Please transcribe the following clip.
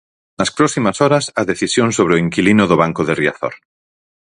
Nas próximas horas, a decisión sobre o inquilino do banco de Riazor.